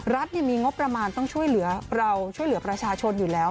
รัฐมีงบประมาณต้องช่วยเหลือเราช่วยเหลือประชาชนอยู่แล้ว